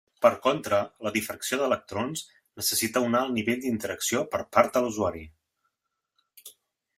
Per contra, la difracció d'electrons necessita un alt nivell d'interacció per part de l'usuari.